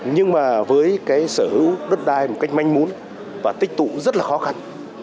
nhưng mà với cái sở hữu đất đai một cách manh mún và tích tụ rất là khó khăn